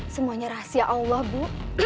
semuanya rahasia allah bu